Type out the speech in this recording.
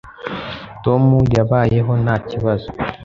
Tom yabayemo nta kibazo.